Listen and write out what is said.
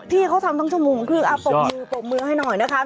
พี่เขาทำทั้งชั่วโมงคือปกมือให้หน่อยนะคะ